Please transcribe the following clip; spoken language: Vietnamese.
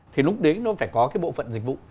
thì lúc đấy nó phải có cái bộ phận dịch vụ